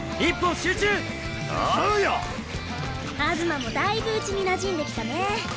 梓馬もだいぶうちになじんできたね。